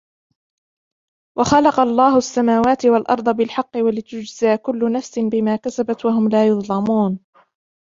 وخلق الله السماوات والأرض بالحق ولتجزى كل نفس بما كسبت وهم لا يظلمون